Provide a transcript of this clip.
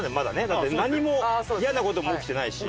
だって何も嫌な事も起きてないし。